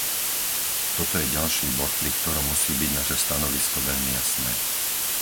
Toto je ďalší bod, pri ktorom musí byť naše stanovisko veľmi jasné.